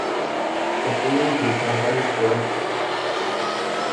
Se pueden utilizar varios productos.